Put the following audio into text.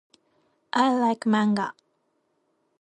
I like manga.